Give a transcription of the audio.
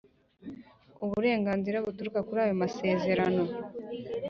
uburenganzira buturuka kuri ayo masezerano